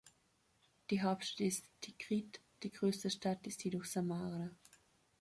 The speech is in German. Die Hauptstadt ist Tikrit, die größte Stadt ist jedoch Samarra.